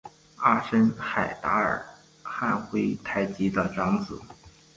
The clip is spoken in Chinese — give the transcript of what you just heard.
阿什海达尔汉珲台吉的长子。